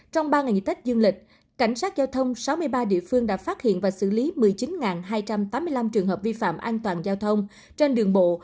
trong ba ngày nghỉ tết dương lịch cảnh sát giao thông sáu mươi ba địa phương đã phát hiện và xử lý một mươi chín hai trăm tám mươi năm trường hợp vi phạm an toàn giao thông trên đường bộ